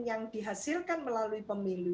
yang dihasilkan melalui pemilu